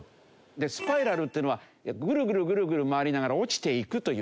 でスパイラルっていうのはぐるぐるぐるぐる回りながら落ちていくという感じね。